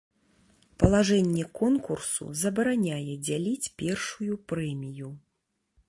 Палажэнне конкурсу забараняе дзяліць першую прэмію.